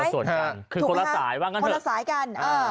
คนละส่วนกันคือคนละสายบ้างกันเถอะคนละสายกัน